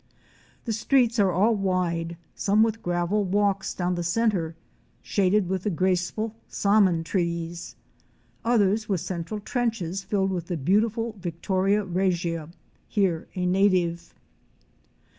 The streets are all wide, some with gravel walks down the centre, shaded with the graceful saman trees; others with central trenches filled with the beautiful Victoria regia — here a native.